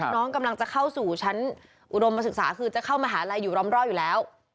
น้องกำลังจะเข้าสู่ชั้นอุดมศึกษาคือจะเข้ามหาลัยอยู่ร้อมรอบอยู่แล้ว